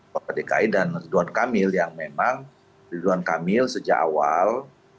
bapak dki dan ridwan kamil yang memang ridwan kamil sejak awal